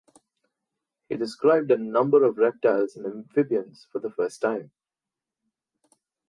He described a number of reptiles and amphibians for the first time.